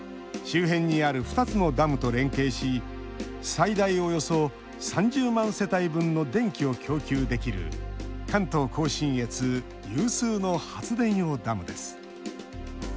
周辺にある２つのダムと連携し最大およそ３０万世帯分の電気を供給できる関東・甲信越有数の発電用ダムです。